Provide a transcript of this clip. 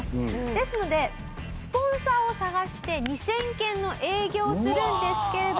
ですのでスポンサーを探して２０００件の営業をするんですけれども。